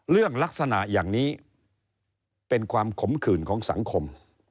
เรื่องลักษณะอย่างนี้เป็นความขมขื่นของสังคม